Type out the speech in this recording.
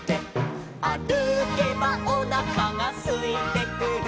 「あるけばおなかがすいてくる」